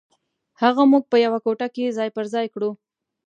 هغه موږ په یوه کوټه کې ځای پر ځای کړو.